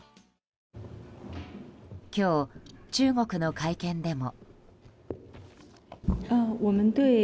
今日、中国の会見でも。